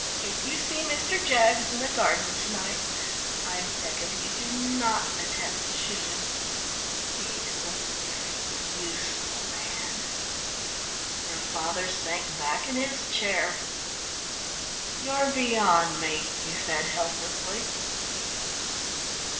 If you see Mr. Jaggs in the garden to night, I beg of you do not attempt to shoot him. He is a very useful man." Her father sank back in his chair. "You're beyond me," he said, helplessly.